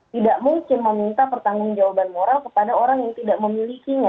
tidak mungkin meminta pertanggung jawaban moral kepada orang yang tidak memilikinya